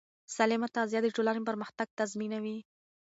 سالمه تغذیه د ټولنې پرمختګ تضمینوي.